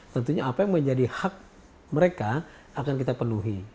tentunya apa yang menjadi hak mereka akan kita penuhi